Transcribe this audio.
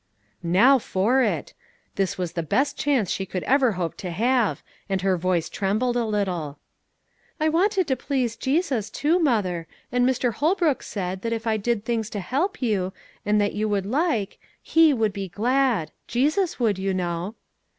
Now for it! This was the best chance she could ever hope to have, and her voice trembled a little: "I wanted to please Jesus too, mother, and Mr. Holbrook said if I did things to help you, and that you would like, He would be glad Jesus would, you know."